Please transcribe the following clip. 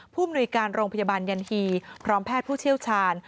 มนุยการโรงพยาบาลยันฮีพร้อมแพทย์ผู้เชี่ยวชาญ